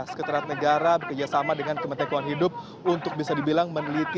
sekretariat negara bekerjasama dengan kementerian keuangan hidup untuk bisa dibilang meneliti